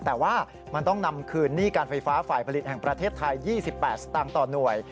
แต่ว่ามันต้องนำคืนหนี้การไฟฟ้าฝ่ายผลิตแห่งประเทศไทย๒๘สตางค์ต่อหน่วย